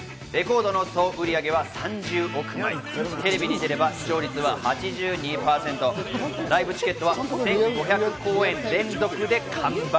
レコードの総売上は３０億枚、テレビに出れば視聴率は８２％、ライブチケットは１５００公演連続で完売。